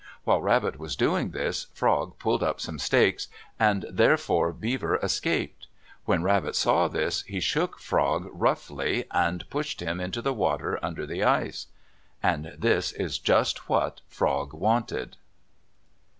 While Rabbit was doing this, Frog pulled up some stakes, and therefore Beaver escaped. When Rabbit saw this, he shook Frog roughly and pushed him into the water under the ice. And this was just what Frog wanted.